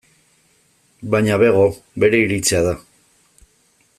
Baina bego, bere iritzia da.